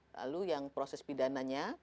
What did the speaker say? lalu yang proses pidananya